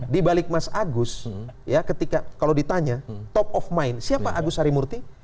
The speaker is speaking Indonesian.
di balik mas agus ya ketika kalau ditanya top of mind siapa agus harimurti